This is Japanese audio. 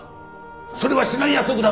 それはしない約束だろ！